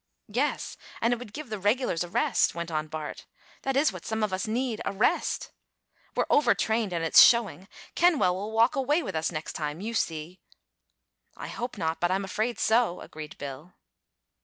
"Yes, and it would give the regulars a rest," went on Bart. "That is what some of us need a rest. We're overtrained, and it's showing. Kenwell will walk away with us next time, you see." "I hope not, but I'm afraid so," agreed Bill.